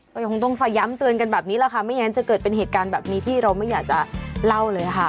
ก็คงต้องย้ำเตือนกันแบบนี้แหละค่ะไม่งั้นจะเกิดเป็นเหตุการณ์แบบนี้ที่เราไม่อยากจะเล่าเลยค่ะ